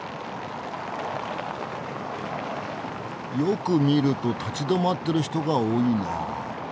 よく見ると立ち止まってる人が多いなあ。